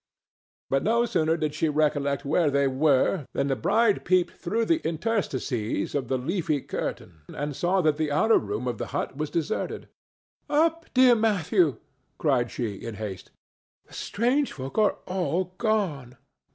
But no sooner did she recollect where they were than the bride peeped through the interstices of the leafy curtain and saw that the outer room of the hut was deserted. "Up, dear Matthew!" cried she, in haste. "The strange folk are all gone.